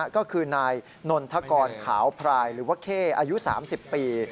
ก็คือนายนนทกรขาวพรายหรือว่าเข้อายุ๓๐ปี